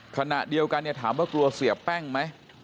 ขณะเดียวกันเนี่ยถามว่ากลัวเสียแป้งไหม